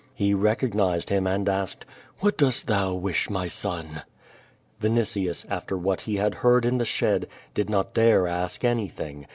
He recognized him and asked: "What dost thou wish, my son?" Vinitius, after what he had heard in the shed, did not dare ask anything.